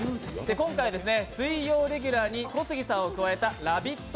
今回、水曜レギュラーに小杉さんを加えたラヴィット！